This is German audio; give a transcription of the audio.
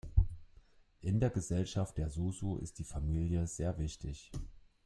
In der Gesellschaft der Susu ist die Familie sehr wichtig.